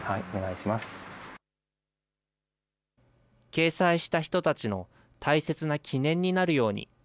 掲載した人たちの大切な記念になるように。